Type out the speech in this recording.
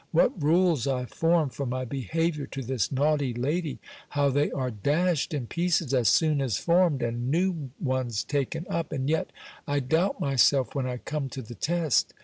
What rules I form for my behaviour to this naughty lady! How they are dashed in pieces as soon as formed, and new ones taken up! And yet I doubt myself when I come to the test.